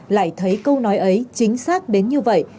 lại thấy câu nói ấy chính xác đến như vậy